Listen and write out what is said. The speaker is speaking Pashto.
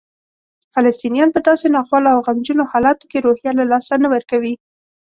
فلسطینیان په داسې ناخوالو او غمجنو حالاتو کې روحیه له لاسه نه ورکوي.